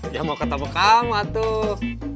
ya mau ketemu kamu tuh